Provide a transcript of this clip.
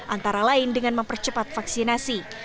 antara lain dengan mempercepat vaksinasi